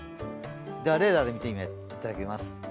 レーダーで見ていただきます。